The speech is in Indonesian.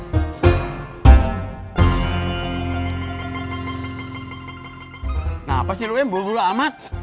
kenapa sih lo yang buru buru amat